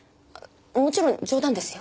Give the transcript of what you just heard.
もちろん冗談ですよ。